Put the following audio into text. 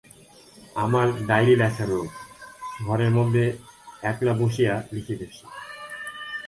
আমার ডায়ারি লেখা রোগ, ঘরের মধ্যে একলা বসিয়া লিখিতেছি।